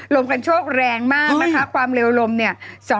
ลมกันโชคแรงมากนะคะความเร็วลมเนี่ย